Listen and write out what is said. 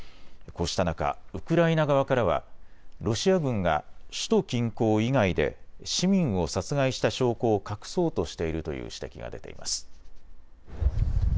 こうした中、ウクライナ側からはロシア軍が首都近郊以外で市民を殺害した証拠を隠そうとしているという指摘が出ています。